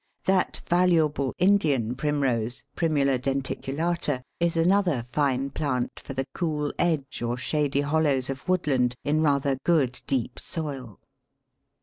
That valuable Indian Primrose, P. denticulata, is another fine plant for the cool edge or shady hollows of woodland in rather good, deep soil.